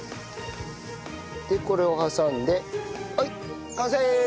これを挟んではい完成！